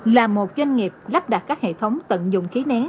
là một doanh nghiệp lắp đặt các hệ thống tận dụng khí nén